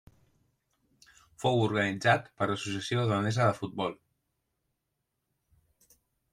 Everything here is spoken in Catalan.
Fou organitzat per l'Associació Danesa de Futbol.